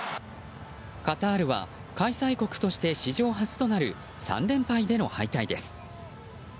カタールは開催国として史上初となる３連敗での敗退です。